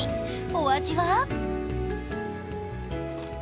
お味は？